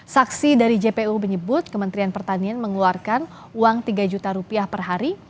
saksi dari jpu menyebut kementerian pertanian mengeluarkan uang tiga juta rupiah per hari